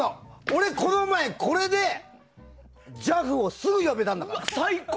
俺、この前これでＪＡＦをすぐ呼べたんだから。